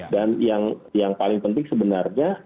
dan yang paling penting sebenarnya